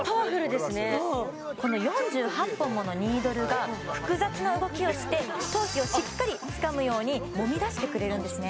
この４８本ものニードルが複雑な動きをして頭皮をしっかり掴むようにもみ出してくれるんですね